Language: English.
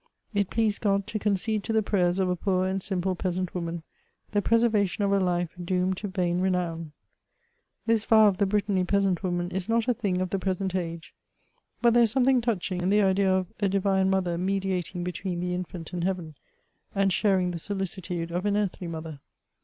It pleased God to concede to the prayers of a poor and simple peasant woman, the preservation of a life doomed to vain renown. This vow of the Brittany peasant woman is not a thing of the present age; but tl^re is something touching in the ^ idea of a divine mother mediating between the in^mt and Heaven, and sharing the solicitude of an earthly mother.